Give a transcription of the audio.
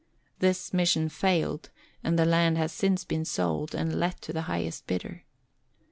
This mission failed, and the land has since been sold, and let to the highest bidder.